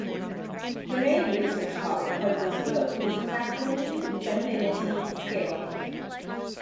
The main research topic of this book was the masculinity-femininity scale.